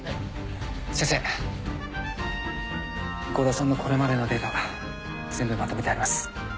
先生郷田さんのこれまでのデータ全部まとめてあります